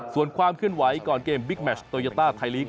ส่วนความเคลื่อนไหวก่อนเกมบิ๊กแมชโตยาต้าไทยลีก